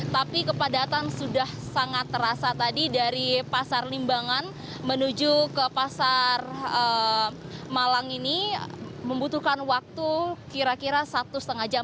tapi kepadatan sudah sangat terasa tadi dari pasar limbangan menuju ke pasar malang ini membutuhkan waktu kira kira satu setengah jam